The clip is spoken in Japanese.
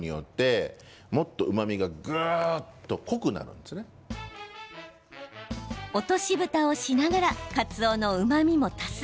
このかつお節の落としぶたをしながらかつおのうまみも足す。